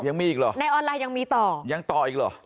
ยังมีอีกหรอยังต่ออีกหรอในออนไลน์ยังมีต่อ